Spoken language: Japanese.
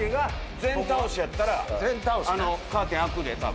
全倒しやったらあのカーテン開くで多分。